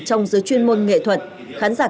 trong giới chuyên môn nghệ thuật khán giả